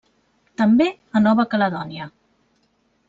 També a Nova Caledònia.